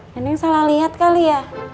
neneng salah lihat kali ya